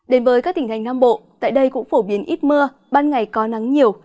đến với các tỉnh thành nam bộ tại đây cũng phổ biến ít mưa ban ngày có nắng nhiều